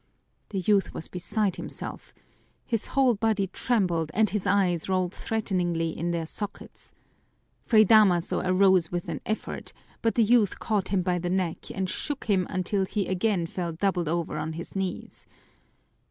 The youth was beside himself. His whole body trembled and his eyes rolled threateningly in their sockets. Fray Damaso arose with an effort, but the youth caught him by the neck and shook him until he again fell doubled over on his knees.